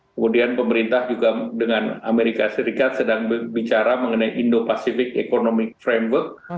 kemudian pemerintah juga dengan amerika serikat sedang bicara mengenai indo pacific economic framework